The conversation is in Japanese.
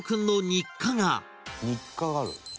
「日課がある？」